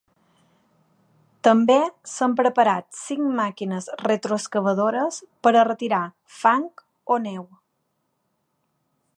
També s’han preparat cinc màquines retroexcavadores per a retirar fang o neu.